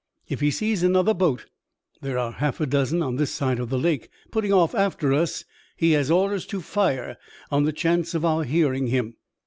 If he sees another boat (there are half a dozen on this side of the lake) putting off after us, he has orders to fire, on the chance of our hearing him.